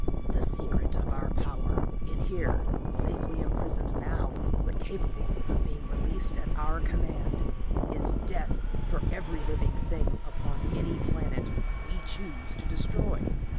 "The secret of our power. In here, safely imprisoned now, but capable of being released at our command, is death for every living thing upon any planet we choose to destroy."